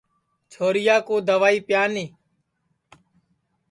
چھوریا کُو دئوا پیانی